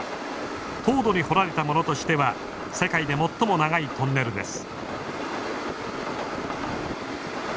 凍土に掘られたものとしては世界で最も長いトンネルです。